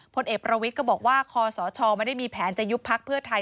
พลเอกประวิทย์ก็บอกว่าคอสชไม่ได้มีแผนจะยุบพักเพื่อไทย